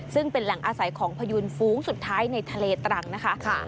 ซึ่งเป็นแหล่งอาศัยของพยูนฟู้งสุดท้ายในทะเลตรังนะคะ